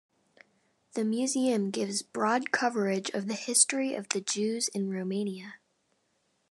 The museum gives broad coverage of the history of the Jews in Romania.